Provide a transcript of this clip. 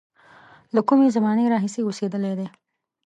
له کومې زمانې راهیسې اوسېدلی دی.